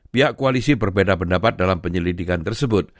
pihak koalisi berbeda pendapat dalam penyelidikan tersebut